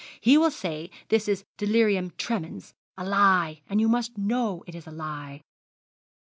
He will say this is delirium tremens a lie, and you must know it is a lie!'